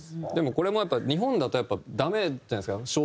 これもやっぱ日本だとダメじゃないですか肖像権とか。